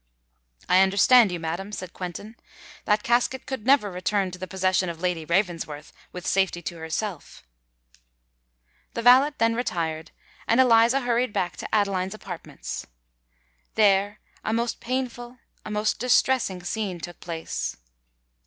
"I understand you, madam," said Quentin. "That casket could never return to the possession of Lady Ravensworth, with safety to herself." The valet then retired; and Eliza hurried back to Adeline's apartments. There a most painful—a most distressing scene took place.